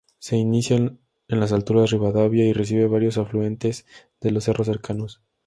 Se inicia en las Alturas Rivadavia y recibe varios afluentes de los cerros cercanos.